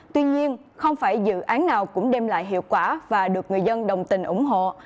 tuy nhiên không phải dự án nào cũng đem lại hiệu quả và được người dân đồng tình ủng hộ